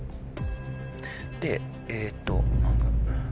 でえっと。